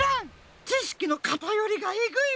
ちしきのかたよりがえぐいわ！